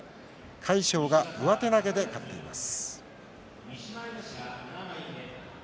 魁勝が上手投げで勝っています。